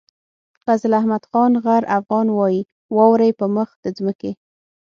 فضل احمد خان غر افغان وايي واورئ په مخ د ځمکې.